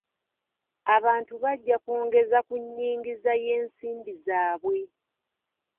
Abantu bajja kwongeza ku nnyingiza y'ensimbi zaabwe.